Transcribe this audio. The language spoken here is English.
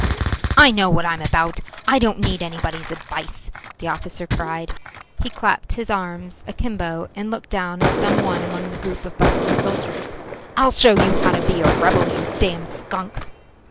"I know what I am about. I don't need anybody's advice," the officer cried. He clapped his arms akimbo and looked down at some one among the group of bustling soldiers. "I'll show you how to be a rebel, you damned skunk."